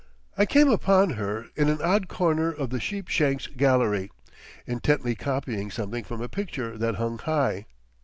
I came upon her in an odd corner of the Sheepshanks gallery, intently copying something from a picture that hung high.